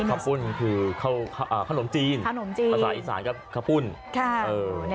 ข้าวปุ้นคือข้าวขลาดขนมจีนข้าวหนมจีนภาษาอีกฝั่งก็ห์พุ้น